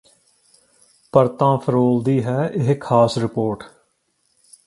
ਪਰਤਾਂ ਫ਼ਰੋਲਦੀ ਹੈ ਇਹ ਖ਼ਾਸ ਰਿਪੋਰਟ